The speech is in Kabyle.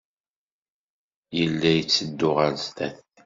Yella yetteddu ɣer sdat.